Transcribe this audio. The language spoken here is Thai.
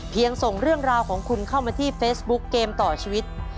ส่งเรื่องราวของคุณเข้ามาที่เฟซบุ๊กเกมต่อชีวิต